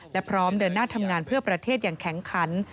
และพร้อมเดินหน้าทำงานเพื่อประเทศอย่างแข็งขัน